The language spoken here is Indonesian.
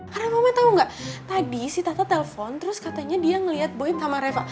karena mama tau gak tadi si tata telpon terus katanya dia ngeliat boya sama reva